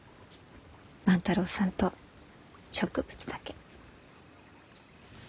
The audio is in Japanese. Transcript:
万太郎さんと植物だけ。